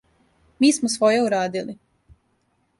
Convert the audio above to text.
Ми смо своје урадили.